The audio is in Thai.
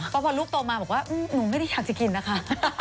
พอพอลูกโตมาหนูไม่ได้อยากจะกินนะคะ